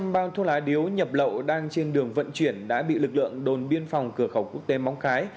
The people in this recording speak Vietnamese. một mươi ba năm trăm linh bao thuốc lá điếu nhập lậu đang trên đường vận chuyển đã bị lực lượng đồn biên phòng cửa khẩu quốc tế móng khái